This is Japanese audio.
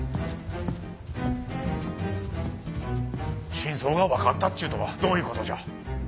真相が分かったちゅうとはどういうことじゃ？